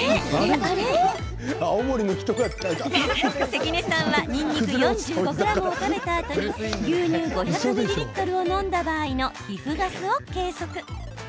関根さんはニンニク４５ｇを食べたあとに牛乳５００ミリリットルを飲んだ場合の皮膚ガスを計測。